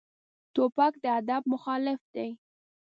توپک د ادب مخالف دی.